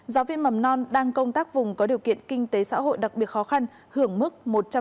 giáo viên mầm non đang công tác vùng có điều kiện kinh tế xã hội đặc biệt khó khăn hưởng mức một trăm linh